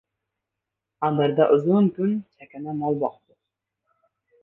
Adirda uzun kun chakana mol boqdi.